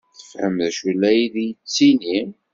Tefhem d acu ay la d-yettini?